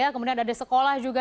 kemudian ada sekolah juga